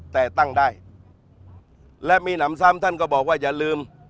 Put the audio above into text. แต่ตั้งได้และมีหนำซ้ำท่านก็บอกว่าอย่าลืม